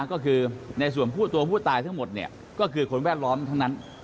ก็คือในส่วนตัวผู้ตายทั้งหมดก็คือคนแวดล้อมทั้งนั้น